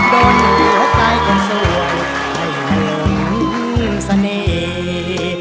โดนหัวใกล้คนส่วนให้เหมือนเสน่ห์